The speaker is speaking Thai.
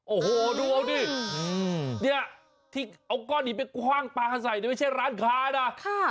โอ้โหดูเอาดิอืมเนี้ยที่เอาก้อนนี้เป็นกว้างปลาใส่นี่ไม่ใช่ร้านค้าน่ะค่ะ